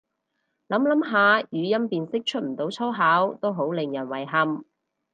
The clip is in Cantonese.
諗諗下語音辨識出唔到粗口都好令人遺憾